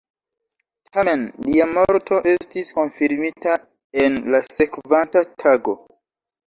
Tamen, lia morto estis konfirmita en la sekvanta tago.